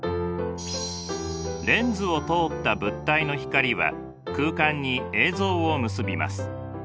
レンズを通った物体の光は空間に映像を結びます。